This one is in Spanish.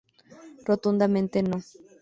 Rotundamente: ¡No!